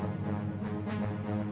kok terus nggak naik lagi lagi